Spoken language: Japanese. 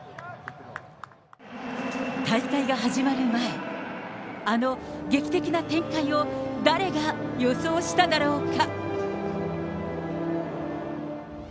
大会が始まる前、あの劇的な展開を、誰が予想しただろうか。